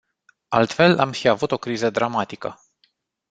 Altfel, am fi avut o criză dramatică.